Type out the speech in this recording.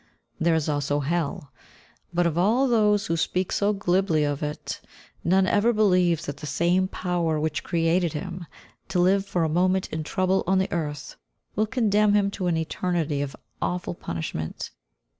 There is also Hell, but of all those who speak so glibly of it, none ever believes that the same Power which created him, to live for a moment in trouble on the earth, will condemn him to an eternity of awful punishment.